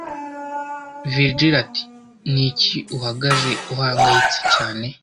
Virgil ati Ni iki uhagaze uhangayitse cyane